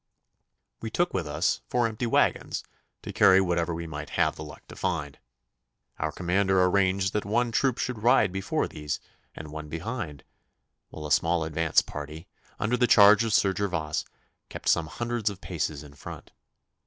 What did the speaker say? We took with us four empty waggons, to carry whatever we might have the luck to find. Our commander arranged that one troop should ride before these and one behind, while a small advance party, under the charge of Sir Gervas, kept some hundreds of paces in front.